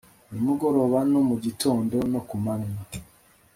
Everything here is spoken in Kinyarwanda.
nimugoroba no mu gitondo no ku manywa